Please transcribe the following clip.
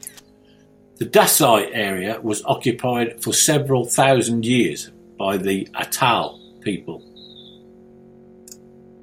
The Dasi area was occupied for several thousand years by the Atayal people.